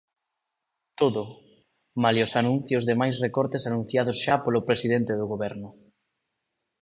Todo, malia os anuncios de máis recortes anunciados xa polo presidente do Goberno.